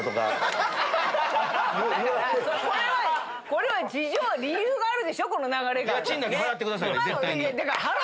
これは理由があるでしょ流れが。